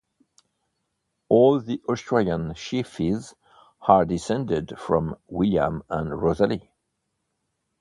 All the Australian Sheaffes are descended from William and Rosalie.